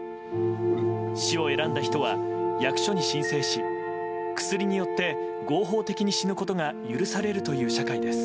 死を選んだ人は役所に申請し薬によって合法的に死ぬことが許されるという社会です。